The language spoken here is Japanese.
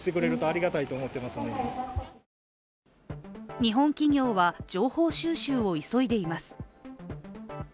日本企業は情報収集を急いでいます。